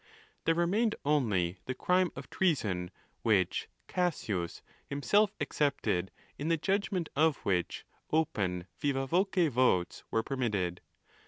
There remained only the crime of treason, which Cassius himself excepted, in the judgment of which, open vivd voce votes were permitted.